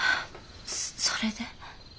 そそれで？